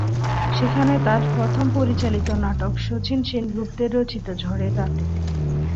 সেখানে তার প্রথম পরিচালিত নাটক শচীন সেনগুপ্তের রচিত ঝড়ের রাতে।